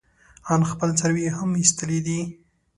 ان خپل څاروي يې هم ايستلي دي.